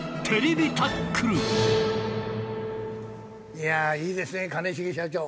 いやあいいですね兼重社長！